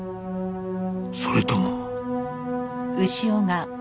それとも